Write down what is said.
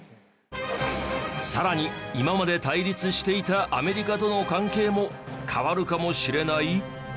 さらに今まで対立していたアメリカとの関係も変わるかもしれない？